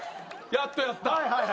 やっとやった。